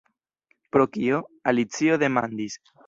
"Pro kio?" Alicio demandis.